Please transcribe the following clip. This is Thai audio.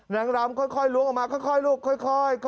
นางรำค่อยล้วงออกมาค่อยลูกค่อย